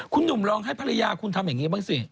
คุณหนุ่มลองให้ภรรยาคุณทำอย่างนี้บ้างสิ